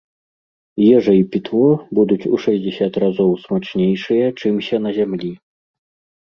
Ежа і пітво будуць у шэсцьдзесят разоў смачнейшыя, чымся на зямлі.